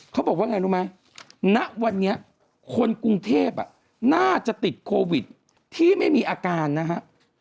เขาบอกว่าไงรู้ไหมณวันนี้คนกรุงเทพน่าจะติดโควิดที่ไม่มีอาการนะฮะ